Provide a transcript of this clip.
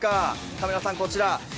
カメラさん、こちら。